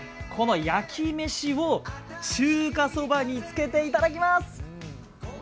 このやきめしを中華そばにつけていただきます。